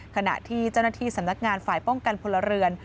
ขณะที่เจ้าหน้าที่สำนักงานฝ่ายป้องกันพลเรือน